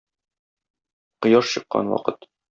Кояш чыккан вакыт.